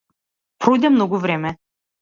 Пројде многу време.